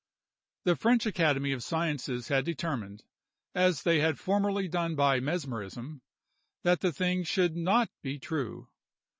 The French Academy of Sciences had determined, as they had formerly done by Mesmerism, that the thing should not be true.